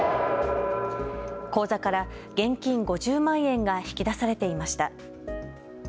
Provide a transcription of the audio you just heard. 口座から現金５０万円が引き出されていました。